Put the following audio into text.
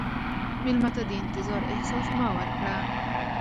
مېلمه ته د انتظار احساس مه ورکړه.